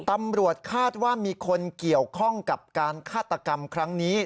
ตำรวจคาดว่ามีคนเกี่ยวข้องกับการฆาตกรรมครั้งนี้